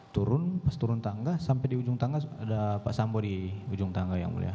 turun pas turun tangga sampai di ujung tangga ada pak sambo di ujung tangga yang mulia